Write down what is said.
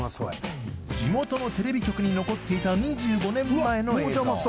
地元のテレビ局に残っていた２５年前の映像